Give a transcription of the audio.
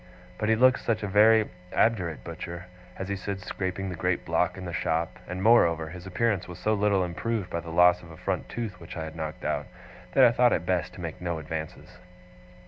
But he looked such a very obdurate butcher as he stood scraping the great block in the shop, and moreover, his appearance was so little improved by the loss of a front tooth which I had knocked out, that I thought it best to make no advances.